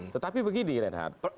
tetapi begini renhard